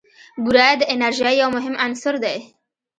بوره د انرژۍ یو مهم عنصر دی.